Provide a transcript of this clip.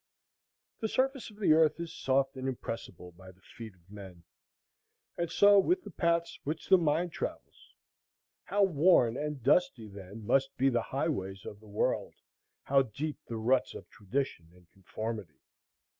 The surface of the earth is soft and impressible by the feet of men; and so with the paths which the mind travels. How worn and dusty, then, must be the highways of the world, how deep the ruts of tradition and conformity!